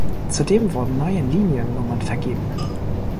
Zudem wurden neue Liniennummern vergeben.